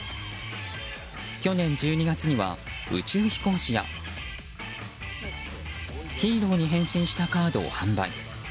去年１２月には宇宙飛行士やヒーローに変身したカードを販売。